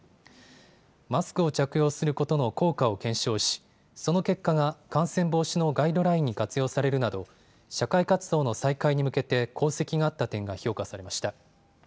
マスクを着用することの効果を検証し、その結果が感染防止のガイドラインに活用されるなど社会活動の再開に向けて功績があった点が評価されました。